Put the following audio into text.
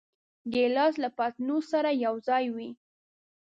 ګیلاس له پتنوس سره یوځای وي.